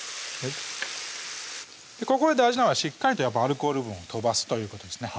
ここで大事なのはしっかりとアルコール分を飛ばすということですね